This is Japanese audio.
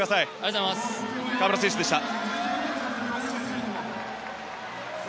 河村選手でした。